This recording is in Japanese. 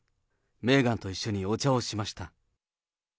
メーガンと一緒にお茶をしました。